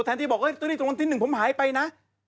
แทนที่บอกโรตเตอรี่ตรงวันที่๑ผมหายไปนะ